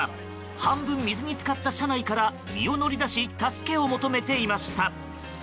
半分水に浸かった車内から身を乗り出し助けを求めていました。